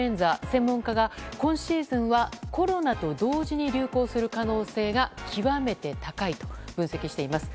専門家が今シーズンはコロナと同時に流行する可能性が極めて高いと分析しています。